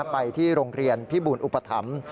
ไปที่โรงเรียนพิบูลอุปถัมภ์